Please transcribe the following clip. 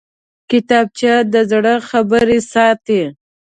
کتابچه د زړه خبرې ساتي